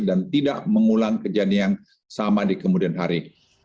dan tidak mengulang kejadian yang sama di kemudian hari